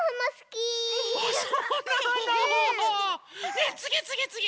ねえつぎつぎつぎ！